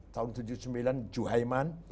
tahun seribu sembilan ratus tujuh puluh sembilan juhaiman